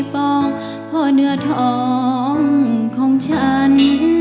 ปล่องเพราะเนื้อทองของฉัน